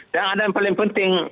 dan ada yang paling penting